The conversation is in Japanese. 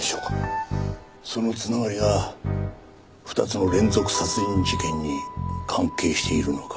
その繋がりが２つの連続殺人事件に関係しているのか？